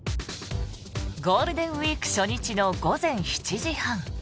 ゴールデンウィーク初日の午前７時半。